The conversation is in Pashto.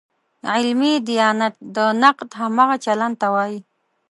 علمي دیانت د نقد همغه چلن ته وایي.